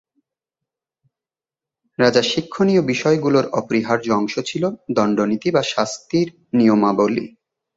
রাজার শিক্ষণীয় বিষয়গুলোর অপরিহার্য অংশ ছিল দন্ডনীতি বা শাস্তির নিয়মাবলি।